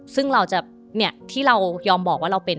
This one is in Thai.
ซึ่งเราจะที่เรายอมบอกว่าเราเป็น